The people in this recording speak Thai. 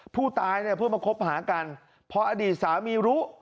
ผู้ตายเนี่ยเพิ่งมาคบหากันพออดีตสามีรู้